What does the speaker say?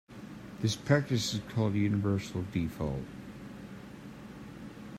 This practice is called universal default.